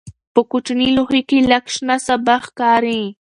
په کوچني لوښي کې لږ شنه سابه ښکاري.